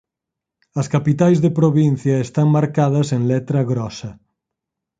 As capitais de provincia están marcadas en letra grosa.